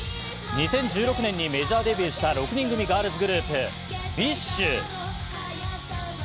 ２０１６年にメジャーデビューした６人組ガールズグループ、ＢｉＳＨ。